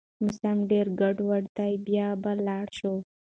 موسم ډېر ګډوډ دی، بيا به لاړ شو